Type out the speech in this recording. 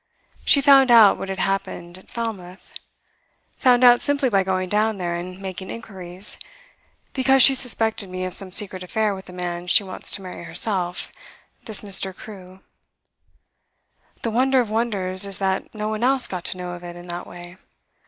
She found out what had happened at Falmouth, found out simply by going down there and making inquiries; because she suspected me of some secret affair with a man she wants to marry herself this Mr. Crewe. The wonder of wonders is that no one else got to know of it in that way.